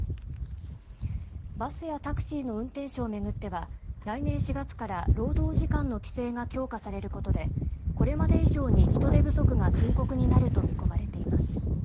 バスやタクシーの運転手をめぐっては来年４月から労働時間の規制が強化されることでこれまで以上に人手不足が深刻になると見込まれています。